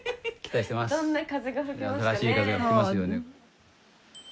新しい風が吹きますよね。